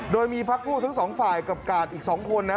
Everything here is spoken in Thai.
โดยมีพรรคผู้ทั้ง๒ฝ่ายกับกาศอีก๒คนนะครับ